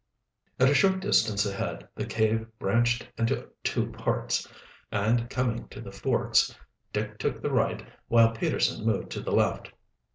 At a short distance ahead the cave branched into two parts, and coming to the forks, Dick took the right while Peterson moved to the left.